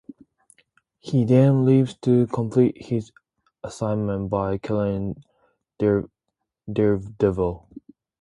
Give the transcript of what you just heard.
He then leaves to complete his assignment by killing Daredevil.